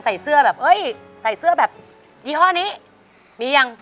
ใส่เสื้อแบบเอ้ยใส่เสื้อแบบยี่ห้อนี้มียัง